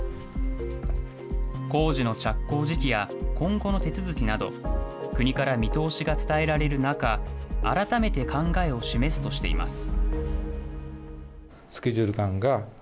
工事の着工時期や今後の手続きなど、国から見通しが伝えられる中、改めて考えを示すとしています。